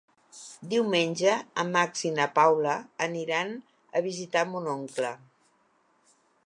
Diumenge en Max i na Paula aniran a visitar mon oncle.